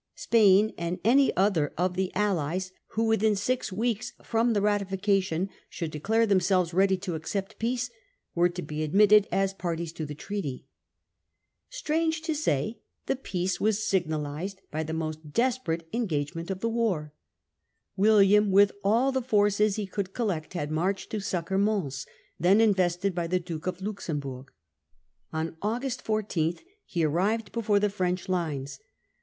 Spain and any other of the allies who within six weeks from the ratification should declare themselves ready to accept peace were to be admitted as parties to the treaty. Strange to say, the peace was signalised by the most 260 The Peace of Ntinwe^en. 1678. desperate engagement of the war. William, with all the forces he could collect, had marched to succour Mons, then invested by the Duke of Luxemburg. On August 14 he arrived before the French lines.?